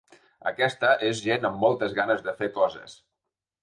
Aquesta és gent amb moltes ganes de fer coses.